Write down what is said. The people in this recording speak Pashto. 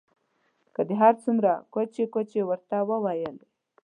که دې هر څومره کوچې کوچې ورته وویلې.